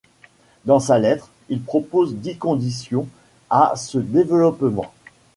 Dans sa lettre, il propose dix conditions à ce développement.